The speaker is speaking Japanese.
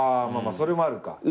あそれもあるか。